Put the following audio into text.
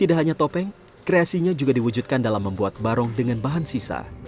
tidak hanya topeng kreasinya juga diwujudkan dalam membuat barong dengan bahan sisa